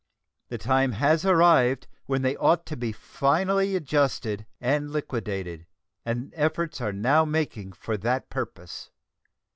The time has arrived when they ought to be finally adjusted and liquidated, and efforts are now making for that purpose.